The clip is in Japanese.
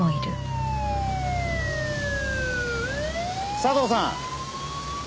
佐藤さん。